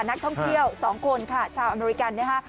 นักท่องเที่ยว๒คนค่ะชาวอเมริกันนะคะ